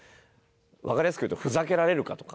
わかりやすく言うとふざけられるかとか。